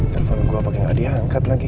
telepon gue pake gak diangkat lagi